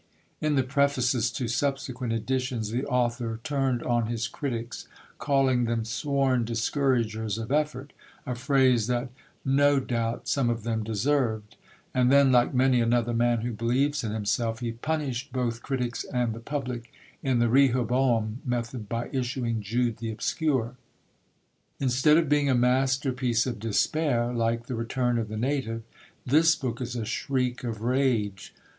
In the prefaces to subsequent editions the author turned on his critics, calling them "sworn discouragers of effort," a phrase that no doubt some of them deserved; and then, like many another man who believes in himself, he punished both critics and the public in the Rehoboam method by issuing Jude the Obscure. Instead of being a masterpiece of despair, like The Return of the Native, this book is a shriek of rage.